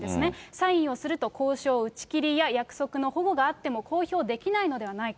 サインをすると、交渉打ち切りや約束のほごがあっても公表できないのではないか。